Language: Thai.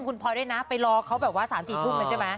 คุณพลอยด้วยนะไปรอเขาแบบว่า๓๔ทุ่มแล้วใช่ไหม